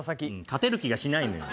勝てる気がしないのよ。